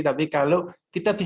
t capek pemerintah